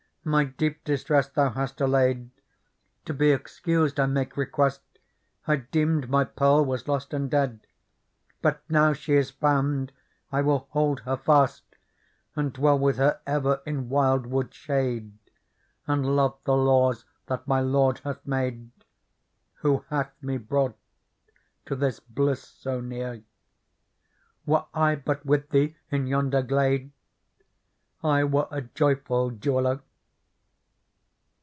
My deep distress thou hast allay'd. To be excused I make request ; I deemed my Pearl was lost and dead : But, now she is found, I will hold her fast. And dwell with her ever in wild wood shade. And love the laws that my Lord hath made. Who hath me brought to thi? bliss so near : Were I but with thee in yonder glade, I were a joyful jeweller."